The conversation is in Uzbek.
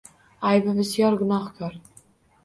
Аybi bisyor gunohkor.